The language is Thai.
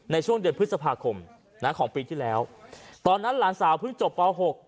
ในช่วงเดือนพฤษภาคมนะของปีที่แล้วตอนนั้นหลานสาวเพิ่งจบป๖